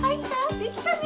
できたね